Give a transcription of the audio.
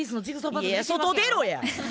いや外出ろや！